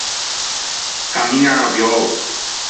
Cammiñan aviou.